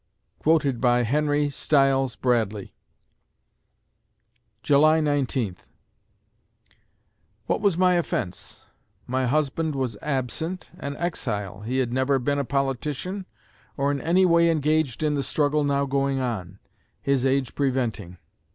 (Quoted by) HENRY STILES BRADLEY July Nineteenth What was my offense? My husband was absent an exile. He had never been a politician or in any way engaged in the struggle now going on, his age preventing.